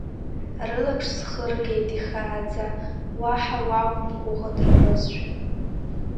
Рылаԥш схыргеит ихааӡа, уаҳа уақәымгәыӷын рҳәозшәа.